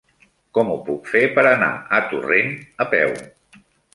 Com ho puc fer per anar a Torrent a peu?